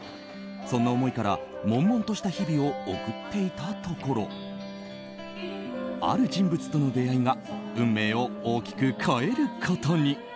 そんな思いから悶々とした日々を送っていたところある人物との出会いが運命を大きく変えることに。